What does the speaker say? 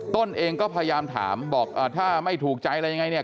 ต้นเองก็พยายามถามบอกถ้าไม่ถูกใจอะไรยังไงเนี่ย